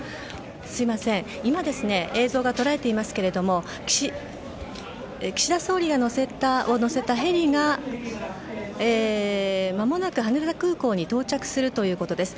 すみません、今映像で捉えていますのは岸田総理を乗せたヘリが間もなく羽田空港に到着するということです。